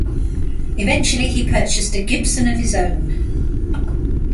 Eventually he purchased a Gibson of his own.